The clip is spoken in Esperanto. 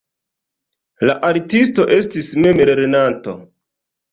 La artisto estis memlernanto.